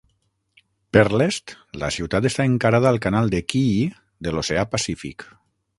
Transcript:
Per l'est, la ciutat està encarada al canal de Kii de l'oceà Pacífic.